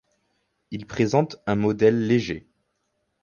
Il présente un modèle léger.